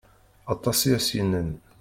Atas i as-yennan.